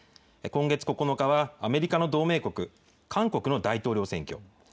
今月９日は、アメリカの同盟国、韓国の大統領選挙。